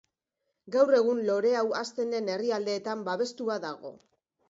Gaur egun lore hau hazten den herrialdeetan babestua dago.